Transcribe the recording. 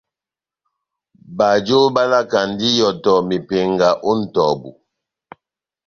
Bajo balakandi ihɔtɔ mepenga ó nʼtɔbu.